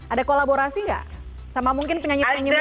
ada kolaborasi gak sama mungkin penyanyi penyanyi muda